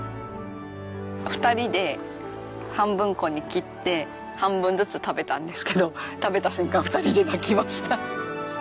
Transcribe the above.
２人で半分こに切って半分ずつ食べたんですけど食べた瞬間２人で泣きました。